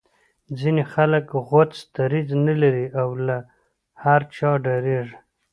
ځینې خلک غوڅ دریځ نه لري او له هر چا ډاریږي